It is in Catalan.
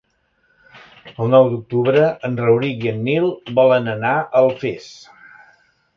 El nou d'octubre en Rauric i en Nil volen anar a Alfés.